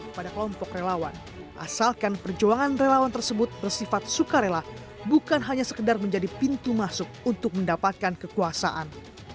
kepada kelompok relawan asalkan perjuangan relawan tersebut bersifat sukarela bukan hanya sekedar menjadi pintu masuk untuk mendapatkan kekuasaan